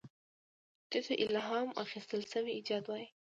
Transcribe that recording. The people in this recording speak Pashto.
دې ته الهام اخیستل شوی ایجاد وایي.